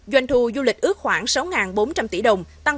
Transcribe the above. doanh thu du lịch ước khoảng sáu bốn trăm linh tỷ đồng tăng bảy bảy